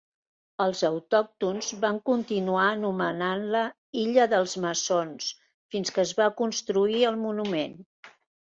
Els autòctons van continuar anomenant-la "Illa dels Maçons" fins que es va construir el monument.